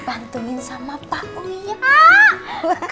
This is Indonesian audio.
bantuin sama pak wih